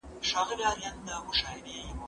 زه هره ورځ کتاب وليکم!؟!؟